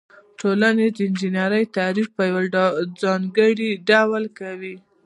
ټولنې د انجنیری تعریف په یو ځانګړي ډول کوي.